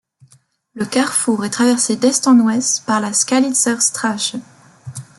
Le carrefour est traversé d'est en ouest par la Skalitzer Straße.